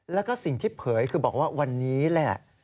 แล้วก็สิ่งที่เผยคือบอกว่าวันนี้แหละ